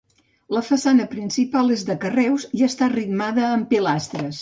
La façana principal és de carreus i està ritmada amb pilastres.